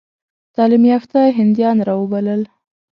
تعلیم یافته هندیان را وبلل.